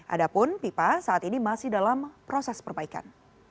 adapun pipa saat ini masih dalam proses perbaikan